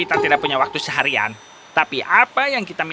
sebenarnya kami sudah mereka pergi ke tengah yang dulu tapi